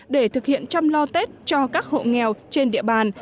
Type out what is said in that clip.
để thực hiện chăm lo tết cho các hộ nghèo trên địa bàn